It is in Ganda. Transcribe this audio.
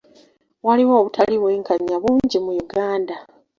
Waliwo obutali bwenkanya bungi mu Uganda.